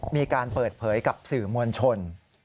มีการเปิดเผยกับสื่อมวลชน